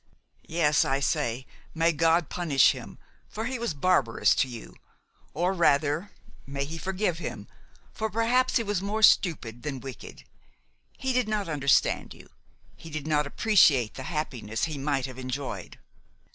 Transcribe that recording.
"Yes, I say, may God punish him, for he was barbarous to you! or, rather, may He forgive him, for perhaps he was more stupid than wicked! He did not understand you; he did not appreciate the happiness he might have enjoyed!